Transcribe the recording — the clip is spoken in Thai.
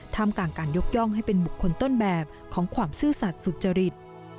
กลางการยกย่องให้เป็นบุคคลต้นแบบของความซื่อสัตว์สุจริต